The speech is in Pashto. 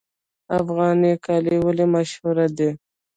افغاني کالي ولې مشهور دي؟